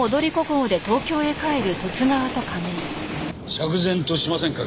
釈然としませんか？